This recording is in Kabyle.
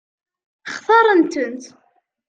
Xtaṛen-tent?